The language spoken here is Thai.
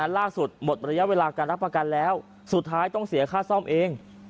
หมดระยะเวลาการรับประกันแล้วสุดท้ายต้องเสียค่าซ่อมเอง